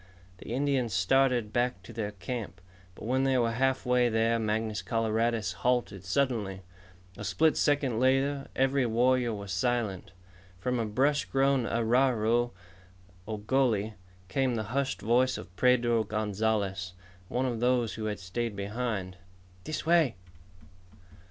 The Indians started back to their camp. But when they were halfway there Mangus Coloradus halted suddenly. A split second later, every warrior was alert. From a brush grown arroyo, or gully, came the hushed voice of Pedro Gonzalez, one of those who had stayed behind. "This way."